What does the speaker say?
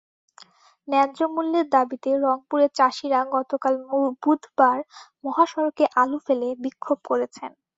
ন্যায্য মূল্যের দাবিতে রংপুরের চাষিরা গতকাল বুধবার মহাসড়কে আলু ফেলে বিক্ষোভ করেছেন।